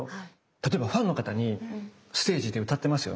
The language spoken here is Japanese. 例えばファンの方にステージで歌ってますよね？